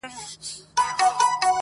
o سر مي جار له یاره ښه خو ټیټ دي نه وي,